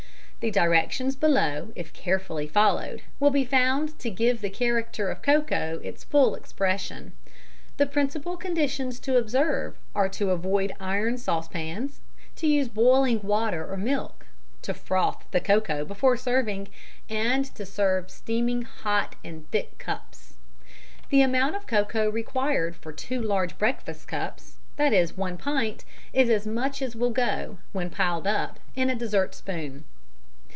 The directions below, if carefully followed, will be found to give the character of cocoa its full expression. The principal conditions to observe are to avoid iron saucepans, to use boiling water or milk, to froth the cocoa before serving, and to serve steaming hot in thick cups. The amount of cocoa required for two large breakfast cups, that is one pint, is as much as will go, when piled up, in a dessert spoon.